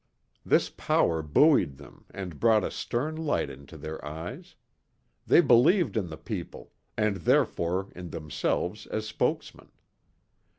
This power buoyed them and brought a stern light into their eyes. They believed in the People, and therefore in themselves as Spokesmen.